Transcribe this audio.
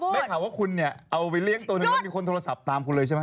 แล้วถามว่าคุณเนี่ยเอาไปเลี้ยงตัวนี้แล้วมีคนโทรศัพท์ตามคุณเลยใช่ไหม